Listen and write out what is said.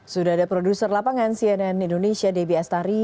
sudah ada produser lapangan cnn indonesia debbie astari